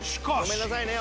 ごめんなさいね